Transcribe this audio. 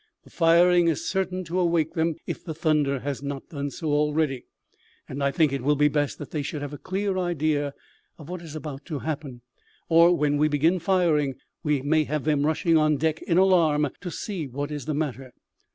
The firing is certain to awake them, if the thunder has not done so already, and I think it will be best that they should have a clear idea of what is about to happen, or when we begin firing we may have them rushing on deck in alarm to see what is the matter.